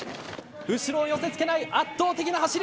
後ろを寄せつけない圧倒的な走り。